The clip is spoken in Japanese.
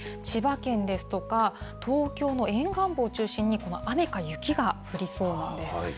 千葉県ですとか、東京の沿岸部を中心に、雨か雪が降りそうなんです。